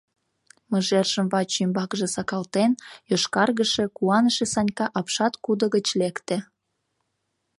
Мыжержым ваче ӱмбакыже сакалтен, йошкаргыше, куаныше Санька апшат кудо гыч лекте.